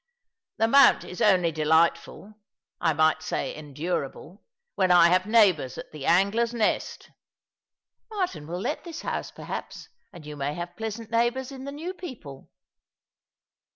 " The Mount is only delightful — I miglit say endurable whcn I have neighbours at the Angler's Nest." " ]\Iartin will let tliis house, perhaps, and you may have pleasant neighbours in the new people."